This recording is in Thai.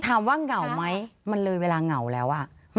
ถามว่าเหงาไหมมันเลยเวลาเหงาแล้วอ่ะ